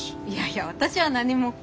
いやいや私は何も。